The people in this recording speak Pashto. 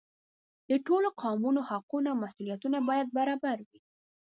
د ټولو قومونو حقونه او مسؤلیتونه باید برابر وي.